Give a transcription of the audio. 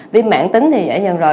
viêm mãn tính thì dễ dần rồi